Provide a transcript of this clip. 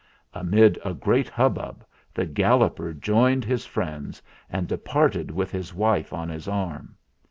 Amid a great hubbub the Galloper joined his friends, and departed with his wife on his arm.